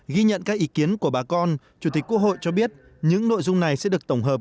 ghi nhận các ý kiến của bà con chủ tịch quốc hội cho biết những nội dung này sẽ được tổng hợp